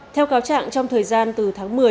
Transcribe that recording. theo cáo trạng trong thời gian từ tháng một mươi